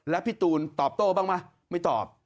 แล้วพี่ตูนตอบโต้บ้างไหมไม่ตอบ